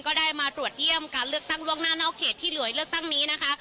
ก็ได้มาตรวจเยี่ยมการเลือกตั้งล่วงหน้านอกเขตที่หน่วยเลือกตั้งนี้นะคะ